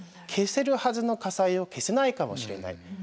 消せるはずの火災を消せないかもしれない。